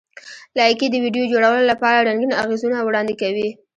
لایکي د ویډیو جوړولو لپاره رنګین اغېزونه وړاندې کوي.